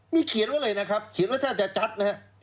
มีเขียนว่าอะไรนะครับเขียนว่าถ้าจะจัดนะครับ